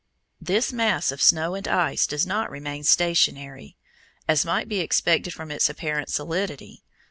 This mass of snow and ice does not remain stationary, as might be expected from its apparent solidity.